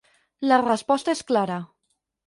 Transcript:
La resposta és clara.